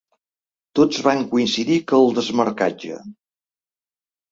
Tots van coincidir que el desmarcatge.